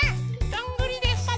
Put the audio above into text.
どんぐりです。